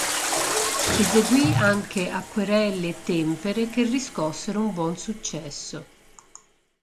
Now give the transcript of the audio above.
Eseguì anche acquerelli e tempere, che riscossero un buon successo.